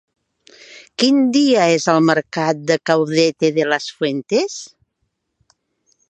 Quin dia és el mercat de Caudete de las Fuentes?